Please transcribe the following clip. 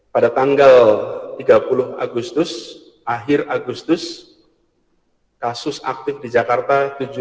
pada tanggal tiga puluh agustus akhir agustus kasus aktif di jakarta tujuh sembilan ratus enam puluh